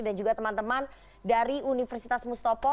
dan juga teman teman dari universitas mustopo